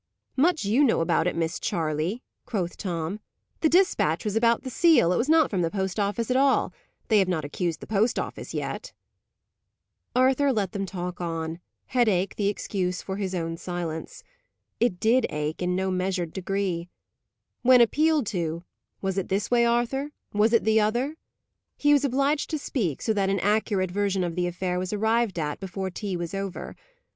"Much you know about it, Miss Charley!" quoth Tom. "The despatch was about the seal: it was not from the post office at all. They have not accused the post office yet." Arthur let them talk on; headache the excuse for his own silence. It did ache, in no measured degree. When appealed to, "Was it this way, Arthur?" "Was it the other?" he was obliged to speak, so that an accurate version of the affair was arrived at before tea was over.